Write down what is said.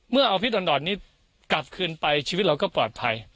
เอาพิษดอนนี้กลับคืนไปชีวิตเราก็ปลอดภัย